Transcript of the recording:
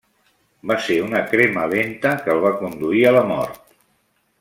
Va ser una crema lenta que el va conduir a la mort.